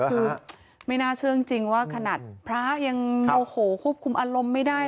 คือไม่น่าเชื่อจริงว่าขนาดพระยังโมโหควบคุมอารมณ์ไม่ได้